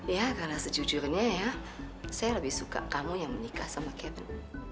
ya karena sejujurnya ya saya lebih suka kamu yang menikah sama catherine